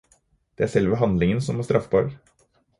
Det er selve handlingen som er straffbar.